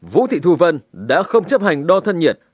vũ thị thu vân đã không chấp hành đo thân nhiệt